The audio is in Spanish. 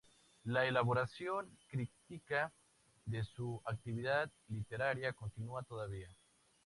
La elaboración crítica de su actividad literaria continúa todavía.